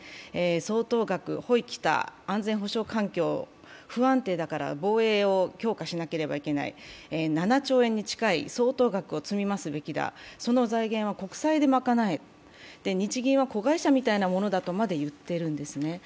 相当額、ほい来た、安全保障環境、不安定だから防衛を強化しなければいけない、７兆円に近い相当額を積み増すべきだ、その財源は国債で賄え、日銀は子会社みたいなものだとまで言ってるんですね。